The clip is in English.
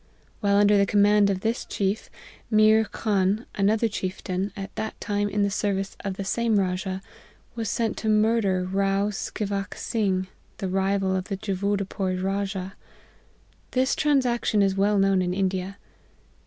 While under the command of this chief, Meer Khan, another chieftain, at that time in the service of the same Rajah, was sent to murder Rao Scivac Sing, the rival of the Javudpore Rajah. This transaction is well known in India.